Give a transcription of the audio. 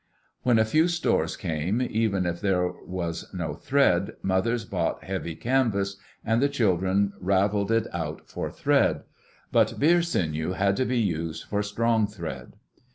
When a few stores came, even if there was no thread, mothers bought heavy canvas, and the children raveled it out for thread; but deer sinew had to be used for strong thread.